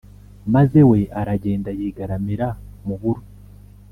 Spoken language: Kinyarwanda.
maz e we aragenda yigaramira mu buro